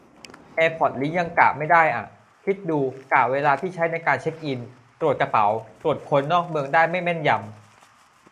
แอร์พอร์ตลิงก์ยังกะไม่ได้อะ คิดดู กะเวลาที่ใช้ในการเช็คอิน-ตรวจกระเป๋า-ตรวจคนออกเมืองได้ไม่แม่นยำ